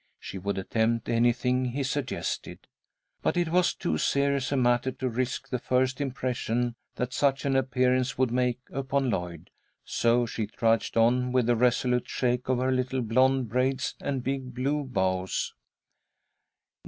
She would attempt anything he suggested. But it was too serious a matter to risk the first impression that such an appearance would make upon Lloyd, so she trudged on with a resolute shake of her little blond braids and big blue bows.